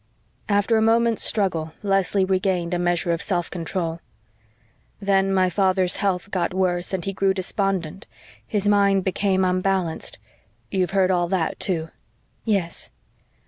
After a moment's struggle, Leslie regained a measure of self control. "Then father's health got worse and he grew despondent his mind became unbalanced you've heard all that, too?" "Yes."